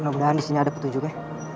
semoga disini ada petunjuknya